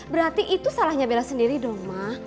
berarti itu salahnya bella sendiri dong ma